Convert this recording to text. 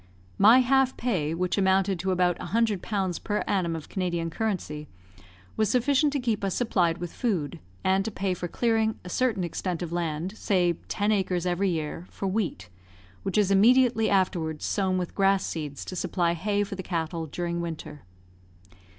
My half pay, which amounted to about 100 pounds per annum of Canadian currency, was sufficient to keep us supplied with food, and to pay for clearing a certain extent of land, say ten acres every year, for wheat, which is immediately afterwards sown with grass seeds to supply hay for the cattle during winter.